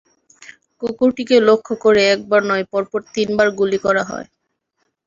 কুকুরটিকে লক্ষ্য করে একবার নয়, পরপর তিনবার গুলি করা হয়।